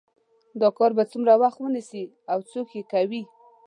دا کار به څومره وخت ونیسي او څوک یې کوي